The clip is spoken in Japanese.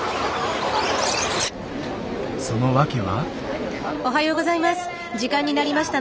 その訳は。